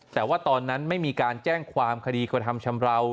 แต่ว่าตอนนั้นไม่มีการแจ้งความคดีกระทำชำราว